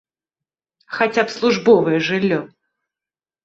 Хаця б службовае жыллё.